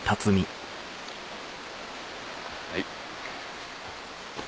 はい。